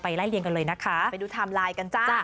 ไปดูทามลายกัน